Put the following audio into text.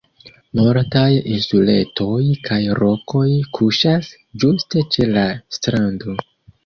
Multaj insuletoj kaj rokoj kuŝas ĝuste ĉe la strando.